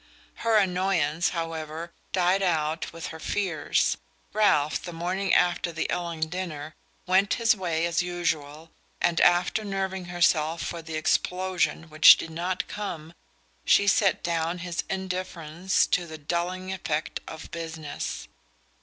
Her annoyance, however, died out with her fears. Ralph, the morning after the Elling dinner, went his way as usual, and after nerving herself for the explosion which did not come she set down his indifference to the dulling effect of "business."